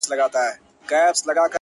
چي ستا ديدن وي پكي كور به جوړ سـي _